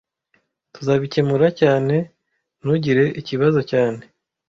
Tuzabikemura cyane Ntugire ikibazo cyane